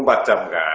pasti saya berpikir